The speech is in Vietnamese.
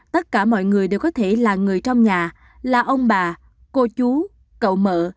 tất cả mọi người đều có thể là người trong nhà là ông bà cô chú cậu mợ